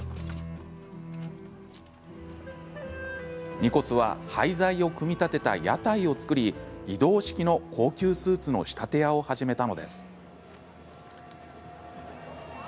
ニコスは廃材を組み立てた屋台を作り移動式の高級スーツの仕立て屋を始めたのです。